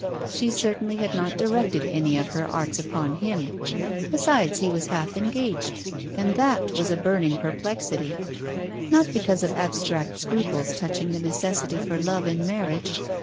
She certainly had not directed any of her arts upon him. Besides he was half engaged. And that was a burning perplexity; not because of abstract scruples touching the necessity for love in marriage.